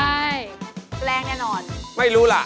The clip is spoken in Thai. ไม่รู้ล่ะแต่อย่างน้อยที่สุด